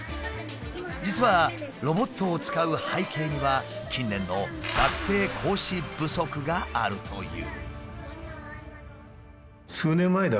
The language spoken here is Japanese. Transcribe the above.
実はロボットを使う背景には近年の学生講師不足があるという。